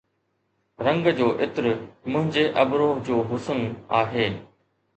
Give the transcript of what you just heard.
زنگ جو عطر منهنجي ابرو جو حسن آهي